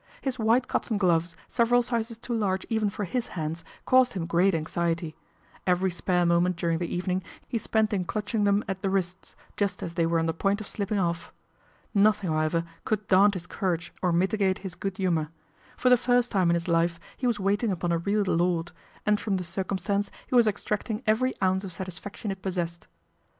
His white cotton gloves, several sizes too large even for his hands, caused him great anxiety. Every spare moment during the evening he spent in clutching them at the wrists, just as they were on the point of slipping off. Nothing, however, could daunt his courage or mitigate his good humour. For the first time in his life he was waiting upon a real lord, and from the circum stance he was extracting every ounce of satis faction it possessed.